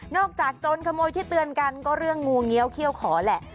จากโจรขโมยที่เตือนกันก็เรื่องงูเงี้ยวเขี้ยวขอแหละ